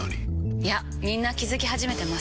いやみんな気付き始めてます。